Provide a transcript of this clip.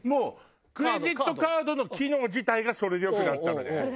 クレジットカードの機能自体がそれでよくなったのね？